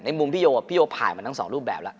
มุมพี่โยพี่โยผ่านมาทั้งสองรูปแบบแล้ว